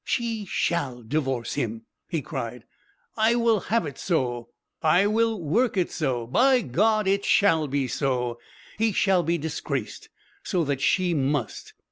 "She shall divorce him!" he cried. "I will have it so I will work it so. By God! it shall be so. He shall be disgraced, so that she must.